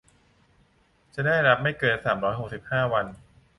จะได้รับไม่เกิน สามร้อยหกสิบห้า วัน